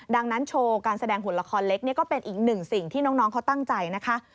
ดังนั้นโชว์การแสดงหุ่นละครเล็กนี่ก็เป็นอีกหนึ่งสิ่งที่น้องเขาตั้งใจนะคะ